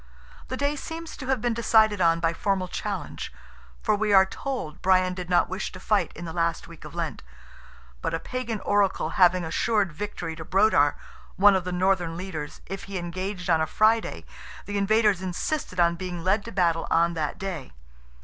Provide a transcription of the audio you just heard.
The day seems to have been decided on by formal challenge, for we are told Brian did not wish to fight in the last week of Lent, but a Pagan oracle having assured victory to Brodar, one of the northern leaders, if he engaged on a Friday, the invaders insisted on being led to battle on that day.